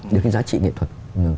được cái giá trị nghệ thuật